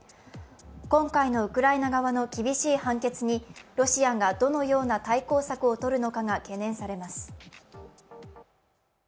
今回のウクライナ側の厳しい判決に、ロシアがどのような対抗策を取るのかが懸念されます。